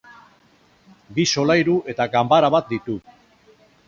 Bi solairu eta ganbara bat ditu.